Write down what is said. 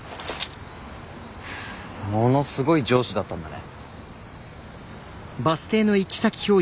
ものすごい上司だったんだね。